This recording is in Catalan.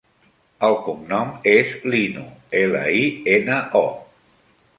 El cognom és Lino: ela, i, ena, o.